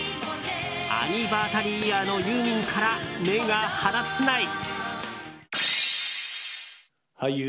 アニバーサリーイヤーのユーミンから目が離せない！